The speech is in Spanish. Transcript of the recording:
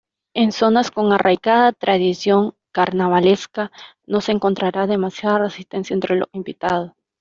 En zonas con arraigada tradición carnavalesca, no se encontrará demasiada resistencia entre los invitados.